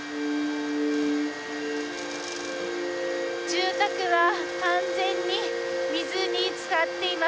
住宅は完全に水につかっています。